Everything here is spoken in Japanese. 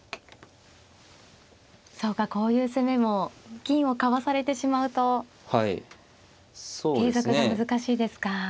そうかこういう攻めも金をかわされてしまうと継続が難しいですか。